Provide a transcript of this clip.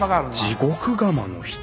地獄釜の人